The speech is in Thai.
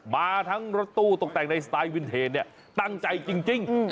มาทั้งรถตู้ตกแต่งในสไตล์วินเทจเนี่ยตั้งใจจริง